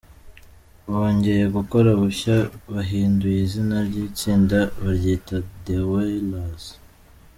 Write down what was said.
Bongeye gukora bushya, bahinduye izina ry’itsinda baryita The Wailers.